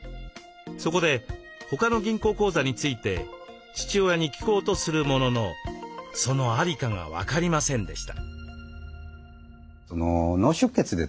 そこで他の銀行口座について父親に聞こうとするもののその在りかが分かりませんでした。